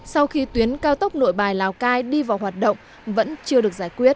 sau khi tuyến cao tốc nội bài lào cai đi vào hoạt động vẫn chưa được giải quyết